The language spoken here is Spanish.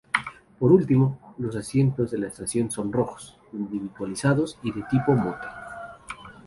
Por último, los asientos de la estación son rojos, individualizados y de tipo "Motte".